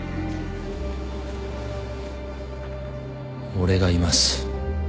俺がいます。